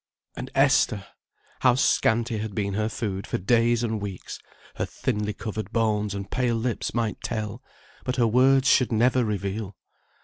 And Esther! How scanty had been her food for days and weeks, her thinly covered bones and pale lips might tell, but her words should never reveal!